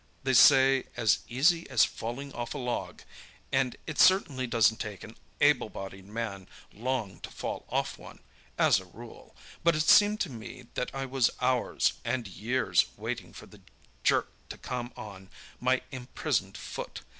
They say 'as easy as falling off a log,' and it certainly doesn't take an able bodied man long to fall off one, as a rule; but it seemed to me that I was hours and years waiting for the jerk to come on my imprisoned foot.